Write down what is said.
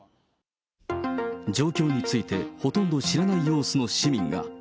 状況についてほとんど知らない様子の市民が。